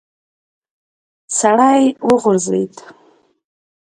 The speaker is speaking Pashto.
سړی وغورځېد.